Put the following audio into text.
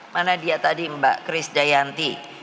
mana dia tadi mbak chris dayanti